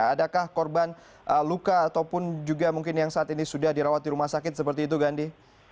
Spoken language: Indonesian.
adakah korban luka ataupun juga mungkin yang saat ini sudah dirawat di rumah sakit seperti itu gandhi